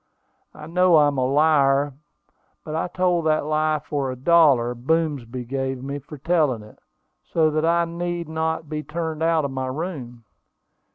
I know I'm a liar; but I told that lie for a dollar Boomsby gave me for telling it, so that I need not be turned out of my room.